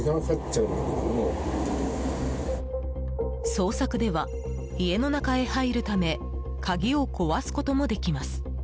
捜索では、家の中へ入るため鍵を壊すこともできます。